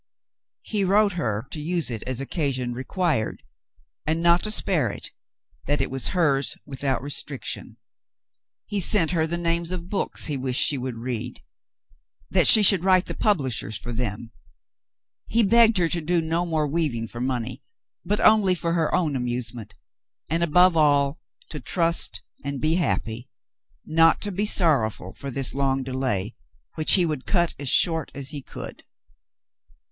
He wrote her to use it as occasion required, and not to spare it, that it was hers without restriction. He sent her the names of books he wished she would read — that she should write the publishers for them. He begged her to do no more weaving for money — but only for her own amusement, and above all to trust and be happy, not to be sorrowful for this long delay, which he would cut as short as he could.